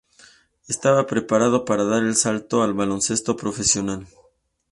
Estaba preparado para dar el salto al baloncesto profesional.